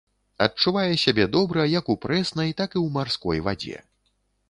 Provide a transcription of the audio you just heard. Адчувае сябе добра як у прэснай, так і ў марской вадзе.